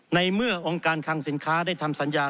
ในเมื่อองค์การคังสินค้าได้ทำสัญญา